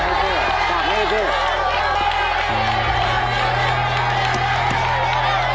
ไปด้วยไปด้วยไปด้วย